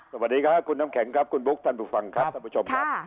สวัสดีครับคุณน้ำแข็งครับคุณบุ๊คท่านผู้ฟังครับท่านผู้ชมครับ